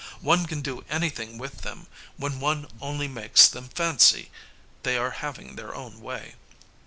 One can do anything with them when one only makes them fancy they are having their own way.